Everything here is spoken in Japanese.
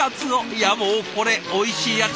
いやもうこれおいしいやつ。